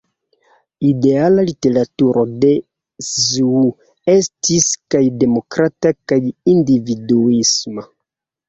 Ideala literaturo de Zhou estis kaj demokrata kaj individuisma.